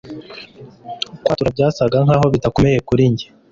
Kwatura byasaga naho bidakomeye kuri njye